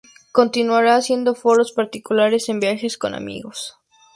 Continuará haciendo fotos particulares en viajes con amigos.